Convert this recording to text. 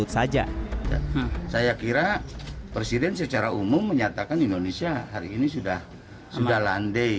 saya kira presiden secara umum menyatakan indonesia hari ini sudah landai